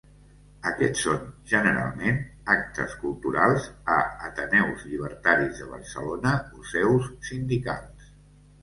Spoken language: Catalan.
Aquests són, generalment, actes culturals a ateneus llibertaris de Barcelona o seus sindicals.